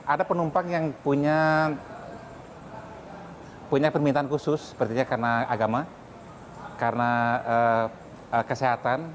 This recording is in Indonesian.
ada penumpang yang punya permintaan khusus sepertinya karena agama karena kesehatan